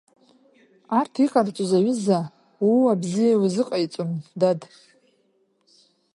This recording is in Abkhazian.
Арҭ иҟарҵаз аҩыза ууа бзиа иузыҟаиҵом, дад!